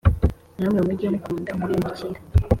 Namwe mujye mukunda umwimukira,